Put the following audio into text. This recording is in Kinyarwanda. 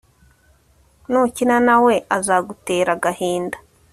nukina na we, azagutera agahinda